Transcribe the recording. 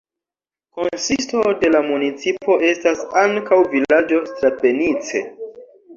Konsisto de la municipo estas ankaŭ vilaĝo Strabenice.